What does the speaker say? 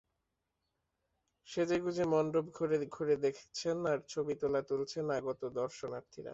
সেজেগুজে মণ্ডপ ঘুরে ঘুরে দেখছেন আর ছবি তোলা তুলছেন আগত দর্শনার্থীরা।